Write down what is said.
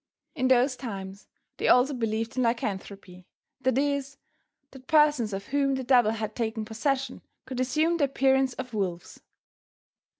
In those times they also believed in Lycanthropy that is, that persons of whom the devil had taken possession could assume the appearance of wolves.